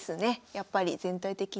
やっぱり全体的に。